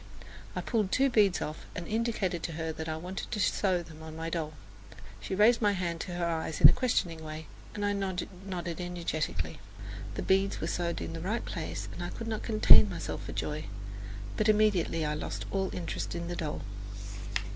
I pulled two beads off and indicated to her that I wanted her to sew them on my doll. She raised my hand to her eyes in a questioning way, and I nodded energetically. The beads were sewed in the right place and I could not contain myself for joy; but immediately I lost all interest in the doll.